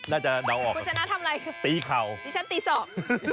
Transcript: น่าจะกลอออกมึงจะน่าทำไรตีเขานึงฉันตีสอง